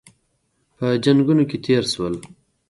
په جنګونو کې تېر شول.